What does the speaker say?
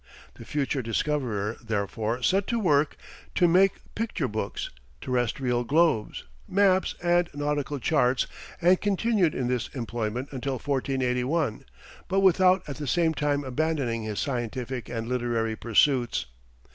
The future discoverer, therefore, set to work to make picture books, terrestrial globes, maps, and nautical charts, and continued in this employment until 1481, but without at the same time abandoning his scientific and literary pursuits.